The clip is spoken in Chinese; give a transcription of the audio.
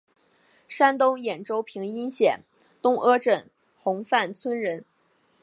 山东兖州平阴县东阿镇洪范村人。